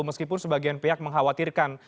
meskipun sebagian pihak mengkhawatirkan